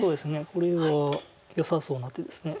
これはよさそうな手です。